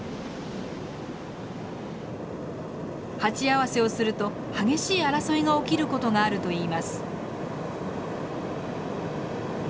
鉢合わせをすると激しい争いが起きる事があるといいます。